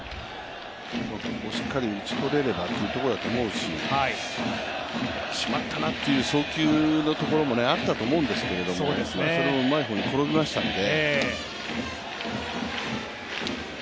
ここをしっかり打ち取れればというところだと思うししまったなという送球のところもあったと思うんですけどそれもうまい方に転びましたので。